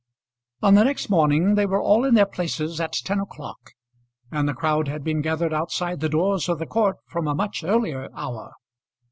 On the next morning they were all in their places at ten o'clock, and the crowd had been gathered outside the doors of the court from a much earlier hour.